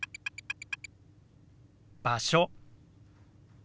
「場所」。